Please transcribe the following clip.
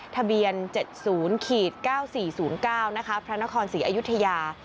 ทะเบียน๗๐๙๔๐๙พระนครศรีอยุธยา